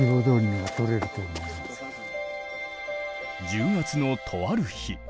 多分１０月のとある日。